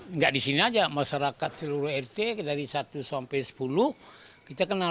enggak di sini aja masyarakat seluruh rt dari satu sampai sepuluh kita kenal